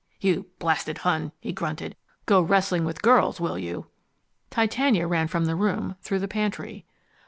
"You blasted Hun," he grunted. "Go wrestling with girls, will you?" Titania ran from the room, through the pantry.